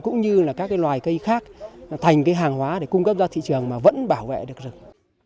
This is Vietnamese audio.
cũng như các loài cây khác thành hàng hóa để cung cấp ra thị trường mà vẫn bảo vệ được rừng